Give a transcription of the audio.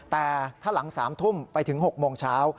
แต่ถ้าหลัง๓ทุ่มไปถึง๖โมงเช้า